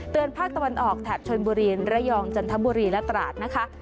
ภาคตะวันออกแถบชนบุรีระยองจันทบุรีและตราดนะคะ